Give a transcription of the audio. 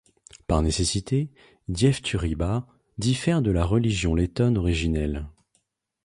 Par nécessité, Dievturība différère de la religion lettonne originelle.